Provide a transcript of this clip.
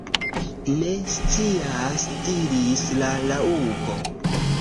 "Ne scias," diris la Raŭpo.